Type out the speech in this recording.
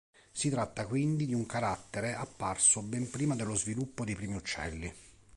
Si tratta quindi di un carattere apparso ben prima dello sviluppo dei primi uccelli.